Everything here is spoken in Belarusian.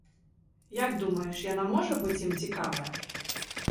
Як думаеш, яна можа быць ім цікавая?